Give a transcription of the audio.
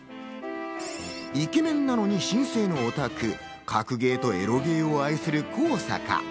イケメンなのに真正のオタク、格ゲーとエロゲーを愛する、高坂。